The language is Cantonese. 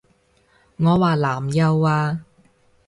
我話南柚啊！